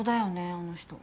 あの人。